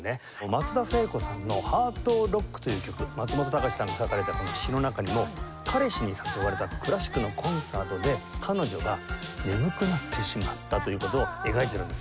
松田聖子さんの『ハートをＲｏｃｋ』という曲松本隆さんが書かれた詩の中にも彼氏に誘われたクラシックのコンサートで彼女が眠くなってしまったという事を描いてるんですよ。